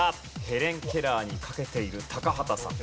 ヘレン・ケラーに懸けている高畑さん。